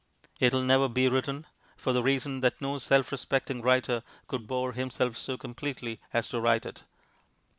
It will never be written, for the reason that no self respecting writer could bore himself so completely as to write it.